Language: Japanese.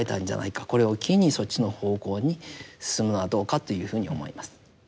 これを機にそっちの方向に進むのはどうかというふうに思います。